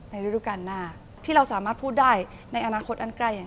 ฤดูการหน้าที่เราสามารถพูดได้ในอนาคตอันใกล้